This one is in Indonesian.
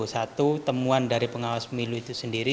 satu temuan dari pengawas pemilu itu sendiri